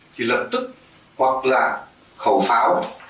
thì lập tức hoặc là khẩu pháo